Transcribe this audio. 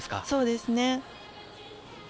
そうですね。